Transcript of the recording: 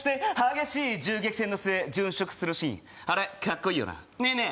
激しい銃撃戦の末殉職するシーンあれかっこいいよなねえねえ